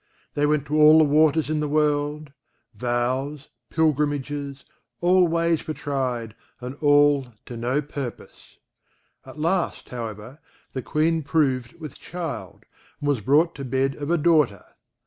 They went to all the waters in the world; vows, pilgrimages, all ways were tried and all to no purpose. At last, however, the Queen proved with child, and was brought to bed of a daughter.